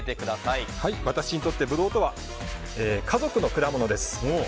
私にとってブドウとは家族の果物です。